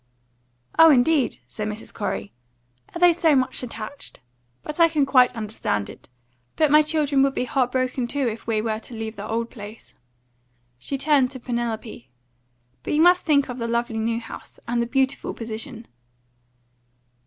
"Oh, indeed!" said Mrs. Corey; "are they so much attached? But I can quite understand it. My children would be heart broken too if we were to leave the old place." She turned to Penelope. "But you must think of the lovely new house, and the beautiful position."